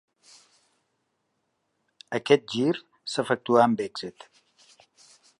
Aquest gir s'efectuà amb èxit.